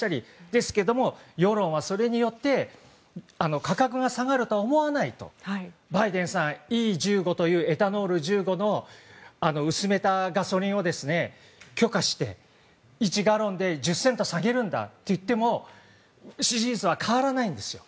ですけども、世論はそれによって価格が下がるとは思わないとバイデンさん、Ｅ１５というエタノール１５の薄めたガソリンを許可して１ガロンで１０セント下げるんだといっても支持率は変わらないんですよ。